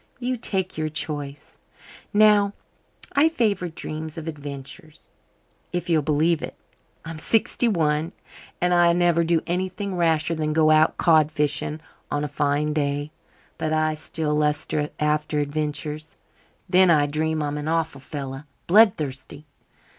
You take your choice. Now, I favour dreams of adventures, if you'll believe it. I'm sixty one and I never do anything rasher than go out cod fishing on a fine day, but I still lust after adventures. Then I dream I'm an awful fellow blood thirsty."